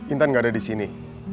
intan gak ada disini